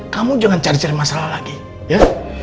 kamu jangan cari cari masalah lagi ya